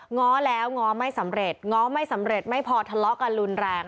ง้อแล้วง้อไม่สำเร็จง้อไม่สำเร็จไม่พอทะเลาะกันรุนแรง